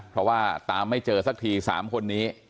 เพราะว่าตามไม่เจอสักที๓คนนี้